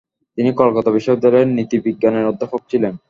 তিনি কলকাতা বিশ্ববিদ্যালয়ের নীতিবিজ্ঞানের অধ্যাপক ছিলেন।